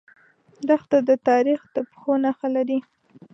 دښته د تاریخ د پښو نخښه لري.